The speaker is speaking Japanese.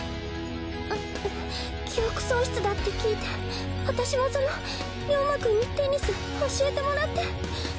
あっ記憶喪失だって聞いて私もそのリョーマくんにテニス教えてもらって。